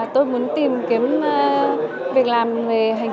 tôi muốn tìm kiếm việc làm về hành vi